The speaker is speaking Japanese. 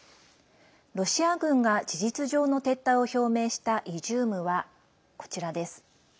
ロシア軍が事実上の撤退を表明したイジュームはこちらです。